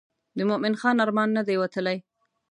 د مومن خان ارمان نه دی وتلی.